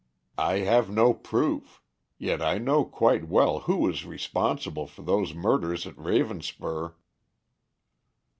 I have no proof. Yet I know quite well who is responsible for those murders at Ravenspur."